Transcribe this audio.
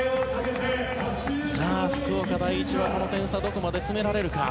福岡第一は、この点差どこまで詰められるか。